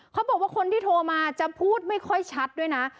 เขาบอกว่าคนที่โทรมาจะพูดไม่ค่อยชัดด้วยนะ